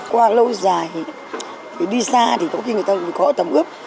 qua lâu dài thì đi xa thì có khi người ta có tầm ướp